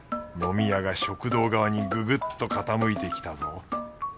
飲み屋が食堂側にぐぐっと傾いてきたぞ。